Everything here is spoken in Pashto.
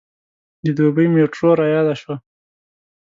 د دوبۍ میټرو رایاده شوه.